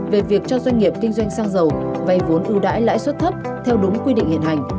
về việc cho doanh nghiệp kinh doanh xăng dầu vay vốn ưu đãi lãi suất thấp theo đúng quy định hiện hành